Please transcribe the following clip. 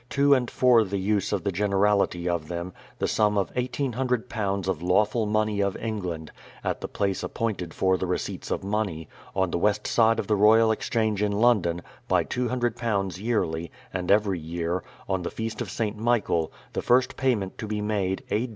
to and for the use of the generality of them, the sum of £1800 of lawful money of England, at the place appointed for the receipts of money, on the west side of the Royal Exchange in London, by £200 yearly, and every year, on the feast of St. Michael, the first payment to be made A.